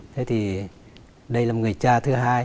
thế thì đây là người cha thứ hai